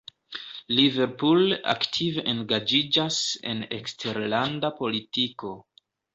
Liverpool aktive engaĝiĝas en eksterlanda politiko.